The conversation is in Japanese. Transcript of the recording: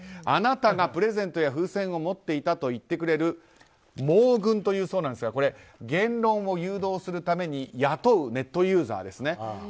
あなたがプレゼントや風船を持っていたと言ってくれる網軍というそうですが言論を誘導するために雇うネットユーザーですね。